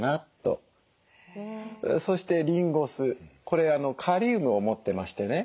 そしてリンゴ酢これカリウムを持ってましてね。